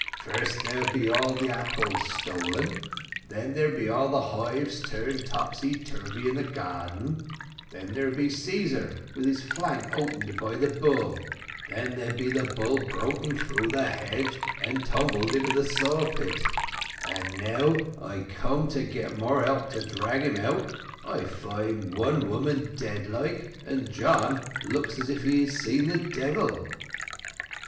First there be all the apples stolen then there be all the hives turned topsy turvy in the garden then there be Caesar with his flank opened by the bull then there be the bull broken through the hedge and tumbled into the saw pit and now I come to get more help to drag him out, I find one woman dead like, and John looks as if he had seen the devil."